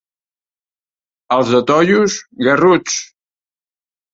Els de Tollos, garruts.